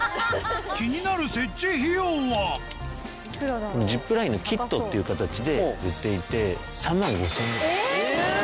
気になる設置費用はジップラインのキットっていう形で売っていて３万５０００円ぐらいです。